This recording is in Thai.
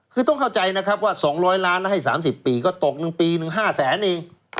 คือต้องเข้าใจนะครับว่า๒๐๐ล้านให้๓๐ปีก็ตก๑ปีหนึ่ง๕แสนเอง